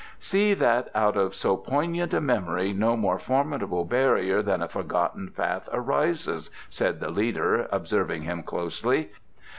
"See that out of so poignant a memory no more formidable barrier than a forgotten path arises," said the leader, observing him closely.